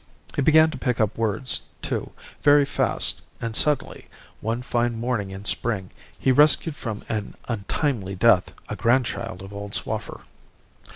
He began to pick up words, too, very fast; and suddenly, one fine morning in spring, he rescued from an untimely death a grand child of old Swaffer.